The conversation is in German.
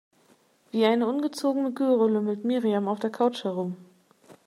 Wie eine ungezogene Göre lümmelt Miriam auf der Couch herum.